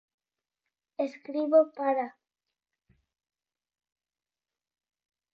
–Escribo para...